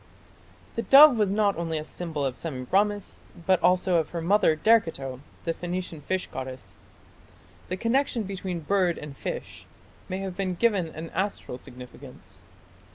The dove was not only a symbol of Semiramis, but also of her mother Derceto, the Phoenician fish goddess. The connection between bird and fish may have been given an astral significance.